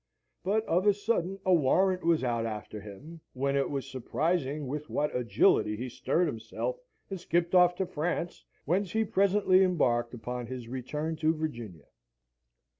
But of a sudden a warrant was out after him, when it was surprising with what agility he stirred himself, and skipped off to France, whence he presently embarked upon his return to Virginia.